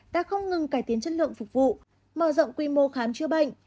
đã không ngừng cải tiến chất lượng phục vụ mở rộng quy mô khám chữa bệnh